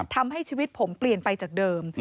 ทำให้ชีวิตผมเปลี่ยนไปจากเดิม